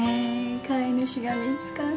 飼い主が見つかって。